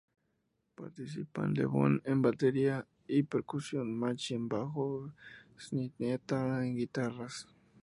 Participan Lebón en batería y percusión, Machi en bajo y Spinetta en guitarras.